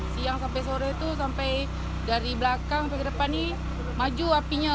siang sampai sore itu sampai dari belakang sampai ke depan ini maju apinya